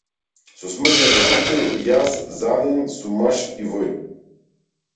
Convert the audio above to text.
Со смрзнато срце јас заден сум маж и воин.